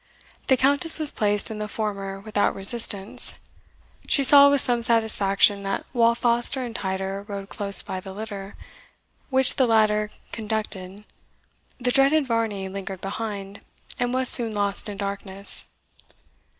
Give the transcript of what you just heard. The Countess was placed in the former without resistance. She saw with some satisfaction that, while Foster and Tider rode close by the litter, which the latter conducted, the dreaded Varney lingered behind, and was soon lost in darkness.